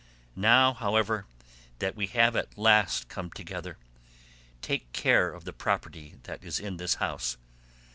Now, however, that we have at last come together, take care of the property that is in the house.